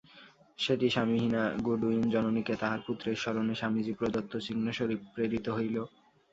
সেটি স্বামিহীনা গুডউইন-জননীকে তাঁহার পুত্রের স্মরণে স্বামীজী-প্রদত্ত চিহ্নস্বরূপ প্রেরিত হইল।